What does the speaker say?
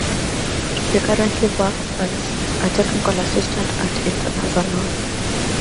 He currently works as a technical assistant at Internazionale.